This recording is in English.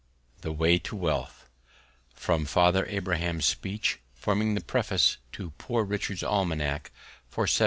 THE WAY TO WEALTH (From "Father Abraham's Speech," forming the preface to Poor Richard's Almanac for 1758.)